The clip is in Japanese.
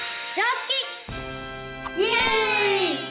イエイ！